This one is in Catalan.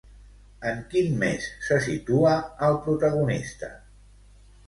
En quin mes se situa al protagonista?